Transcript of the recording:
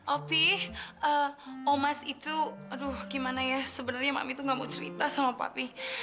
opi eh omas itu aduh gimana ya sebenernya mami tuh gak mau cerita sama papi